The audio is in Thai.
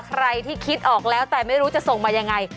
ใครที่คิดออกแล้วแต่ไม่รู้จะส่งมายังไง